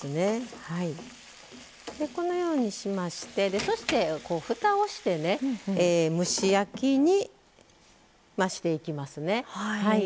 このようにしましてそして、ふたをして蒸し焼きにしていきますね。